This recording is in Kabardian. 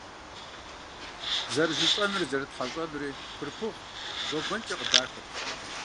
Зэрыжьыщӏэнури зэрытхьэщӏэнури Курпыгъу гуэгуэнкӏэ къыдахырт.